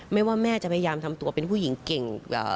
แม่ว่าแม่จะพยายามทำตัวเป็นผู้หญิงเก่ง